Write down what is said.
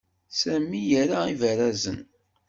Sami ira ibarazen.